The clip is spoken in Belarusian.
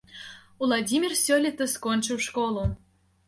Уладзімір сёлета скончыў школу.